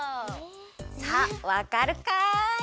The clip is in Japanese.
さあわかるかい？